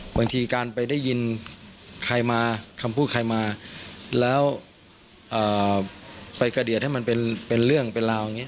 บางทีการไปได้ยินใครมาคำพูดใครมาแล้วไปกระเดียดให้มันเป็นเรื่องเป็นราวอย่างนี้